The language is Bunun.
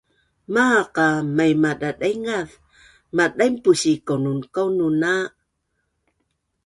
Maaq a maimadadaingaz madainpus i kakaunun a